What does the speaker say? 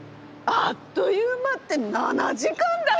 あっという間って７時間だよ？